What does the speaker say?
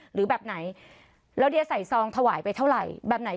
หรือแบบไหนแล้วเดียใส่ซองถวายไปเท่าไหร่แบบไหน